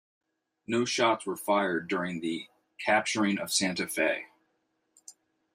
No shots were fired during the capturing of Santa Fe.